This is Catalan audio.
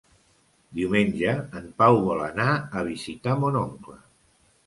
Diumenge en Pau vol anar a visitar mon oncle.